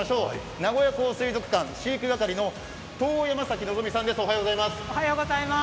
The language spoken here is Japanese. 名古屋港水族館飼育係の東山崎のぞみさんです。